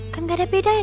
kan gak ada bedanya